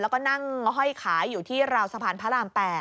แล้วก็นั่งห้อยขายอยู่ที่ราวสะพานพระราม๘